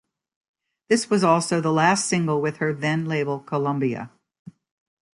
This was also the last single with her then label Columbia.